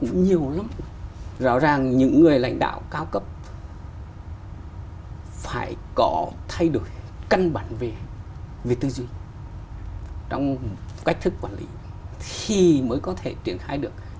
nhưng mà cái lĩnh vực mới này nó cũng nhiều lắm rõ ràng những người lãnh đạo cao cấp phải có thay đổi căn bản về tư duy trong cách thức quản lý thì mới có thể triển khai được